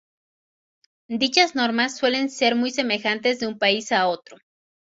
Dichas normas suelen ser muy semejantes de un país a otro.